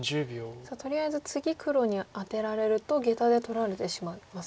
さあとりあえず次黒にアテられるとゲタで取られてしまいますか。